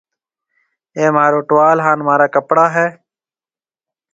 اَي مهارو ٽوال هانَ مهارا ڪپڙا هيَ۔